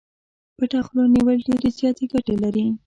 پټه خوله نيول ډېرې زياتې ګټې لري.